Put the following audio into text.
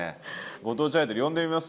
ご当地アイドル呼んでみます？